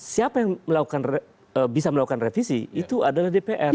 siapa yang bisa melakukan revisi itu adalah dpr